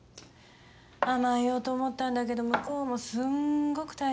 甘えようと思ったんだけど向こうもすんごく大変そうで。